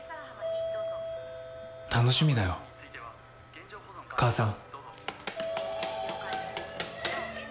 楽しみだよ母さん。